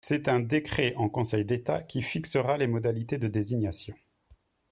C’est un décret en Conseil d’État qui fixera les modalités de désignation.